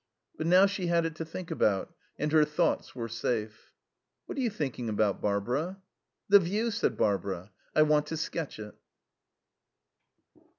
But now she had it to think about, and her thoughts were safe. "What are you thinking about, Barbara?" "The view," said Barbara. "I want to sketch it."